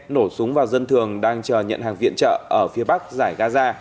nổ súng vào dân thường đang chờ nhận hàng viện trợ ở phía bắc giải gaza